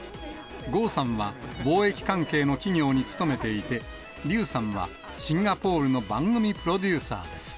高さんは貿易関係の企業に勤めていて、柳さんはシンガポールの番組プロデューサーです。